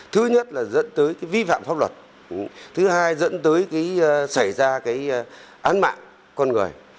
thứ nhất là dẫn tới vi phạm pháp luật thứ hai dẫn tới xảy ra án mạng con người